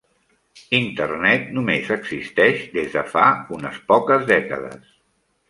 Internet només existeix des de fa unes poques dècades.